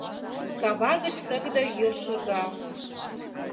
Кава гыч тыгыде йӱр шыжа.